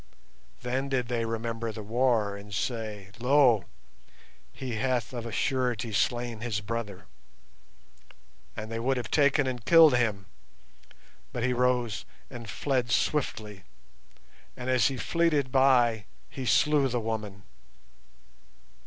Then did they remember the war and say, 'Lo! he hath of a surety slain his brother,' and they would have taken and killed him, but he rose and fled swiftly, and as he fleeted by he slew the woman.